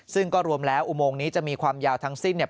ซึ่งก็รวมแล้วอุโมงนี้จะมีความยาวทั้งสิ้นเนี่ย